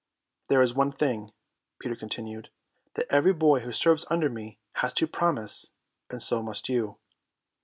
"There is one thing," Peter continued, "that every boy who serves under me has to promise, and so must you."